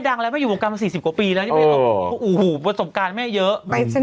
ขันล้านท่ามเพศ